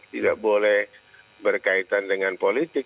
tidak boleh berkaitan dengan politik